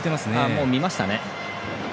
もう、見ましたね。